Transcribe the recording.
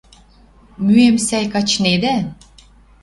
Мӱэм сӓй качнедӓ?»